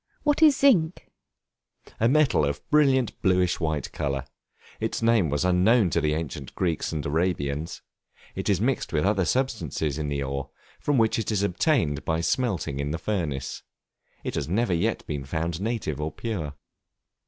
What is Zinc? A metal of a brilliant bluish white color. Its name was unknown to the ancient Greeks and Arabians. It is mixed with other substances in the ore, from which it is obtained by smelting in the furnace. It has never yet been found native or pure.